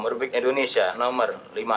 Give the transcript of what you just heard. merbik indonesia nomor lima puluh delapan